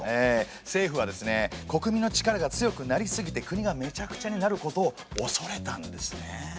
政府は国民の力が強くなりすぎて国がめちゃくちゃになることをおそれたんですね。